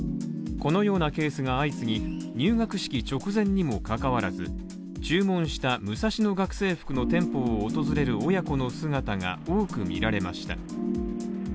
このようなケースが相次ぎ入学式直前にもかかわらず、注文したムサシノ学生服の店舗を訪れる親子の姿が多く見られました。